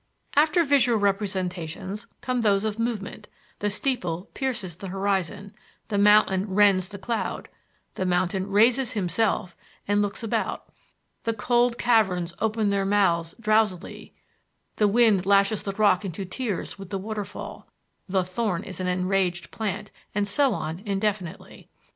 " After visual representations come those of movement: the steeple pierces the horizon, the mountain rends the cloud, the mountain raises himself and looks about, "the cold caverns open their mouths drowsily," the wind lashes the rock into tears with the waterfall, the thorn is an enraged plant, and so on indefinitely.